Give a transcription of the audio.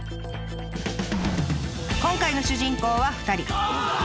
今回の主人公は２人。